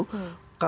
kalau polisi berkata